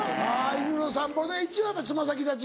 犬の散歩で一応爪先立ち。